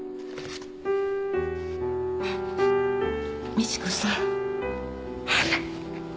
美知子さん。